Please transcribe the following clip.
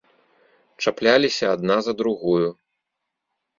Чапляліся адна за другую.